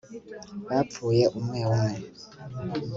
bapfuye umwe umwe